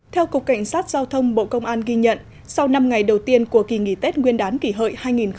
theo cục cảnh sát giao thông bộ công an ghi nhận sau năm ngày đầu tiên của kỳ nghỉ tết nguyên đán kỷ hợi hai nghìn một mươi chín